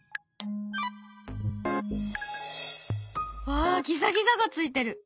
わあギザギザがついてる！